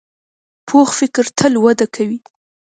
پوخ فکر تل وده کوي